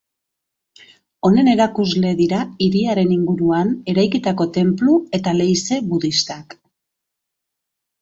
Honen erakusle dira hiriaren inguruan eraikitako tenplu eta leize budistak.